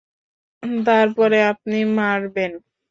তারপরে আপনি মারবেন।